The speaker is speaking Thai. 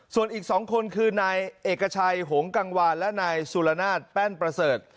ส่วนอีก๒คนคือนายเอกชัยหงกังวานและนายสุรนาศแป้นประเสริฐ